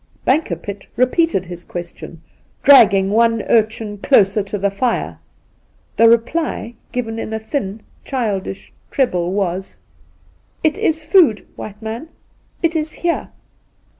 Bankerpitt re peated his question, dragging one urchin closer to the fire. The reply, given in a thin, childish treble, was: ' It is food, white man ! It is here